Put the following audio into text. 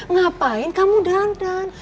ngapain kamu dandan